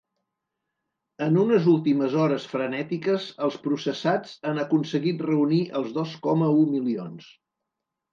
En unes últimes hores frenètiques els processats han aconseguit reunir els dos coma u milions.